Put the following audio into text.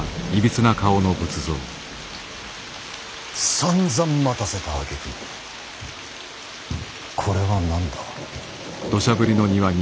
さんざん待たせたあげくにこれは何だ。